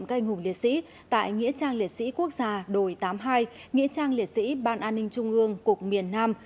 tổng cây ngùng liệt sĩ tại nghĩa trang liệt sĩ quốc gia đồi tám mươi hai nghĩa trang liệt sĩ ban an ninh trung ương cục miền nam